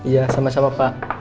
ya sama sama pak